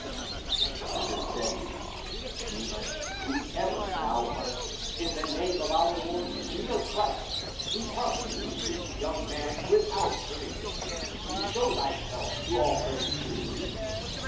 And Peter said, " Demon, whoever thou art, in the name of our Lord Jesus Christ, depart from this young man without hurt ing him. Show thyself to all present."